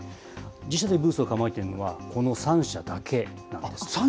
ブースを構えているのは、この３社だけなんです。